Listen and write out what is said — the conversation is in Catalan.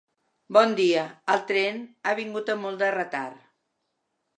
Bon dia, el tren ha vingut amb molt de retard.